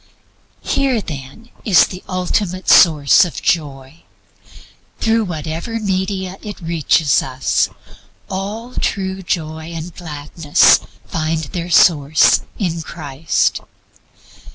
Here, then, is the ultimate source of Joy. Through whatever media it reaches us, all true Joy and Gladness find their source in Christ.